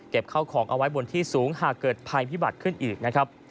เก็บเข้าของเอาไว้บนที่สูงหากเกิดภายพิบัติขึ้นอีก